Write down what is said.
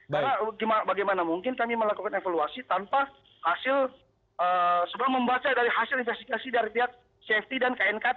karena bagaimana mungkin kami melakukan evaluasi tanpa hasil sebelum membaca dari hasil investigasi dari pihak cft dan knkt